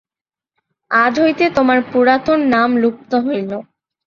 আজ হইতে তোমার পুরাতন নাম লুপ্ত হইল।